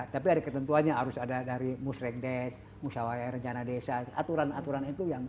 tapi ada ketentuannya harus ada dari musrek desa usaha rencana desa aturan aturan itu